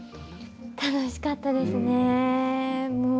楽しかったですね。